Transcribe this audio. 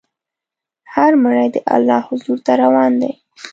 هر مړی د الله حضور ته روان دی.